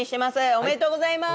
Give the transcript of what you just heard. おめでとうございます。